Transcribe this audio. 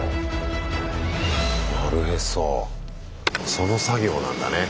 その作業なんだね。